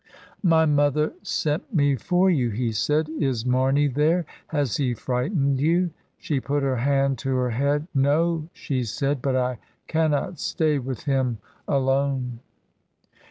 "My mother sent me for you," he said. "Is Marney there? Has he frightened you?" She put her hand to her head. "No," she said, "but I cannot stay with him alone."